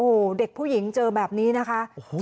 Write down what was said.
โอ้โหเด็กผู้หญิงเจอแบบนี้นะคะ